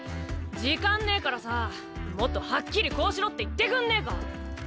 時間ねえからさもっとはっきりこうしろって言ってくんねえか？